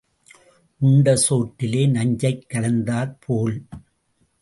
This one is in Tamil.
உண்ட சோற்றிலே நஞ்சைக் கலந்தாற்போல்.